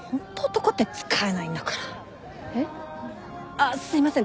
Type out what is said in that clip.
あっすいません。